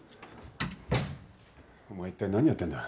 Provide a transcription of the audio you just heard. お前一体何やってんだ。